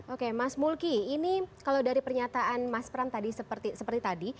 oke mas mulki ini kalau dari pernyataan mas pram tadi seperti tadi